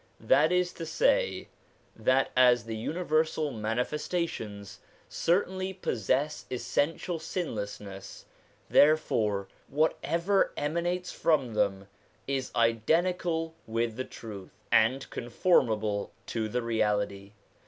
That is to say, that as the universal Manifestations certainly possess essential sinlessness, therefore what ever emanates from them is identical with the truth, and comfonnable to the reality.